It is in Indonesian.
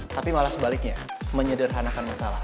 tapi malah sebaliknya menyederhanakan masalah